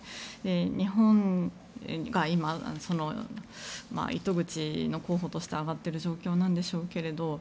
日本が今糸口の候補として挙がっている状況なんでしょうけれど。